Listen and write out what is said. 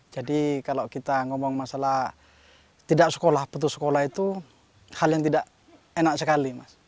jadi kalau kita ngomong masalah tidak sekolah putus sekolah itu hal yang tidak enak sekali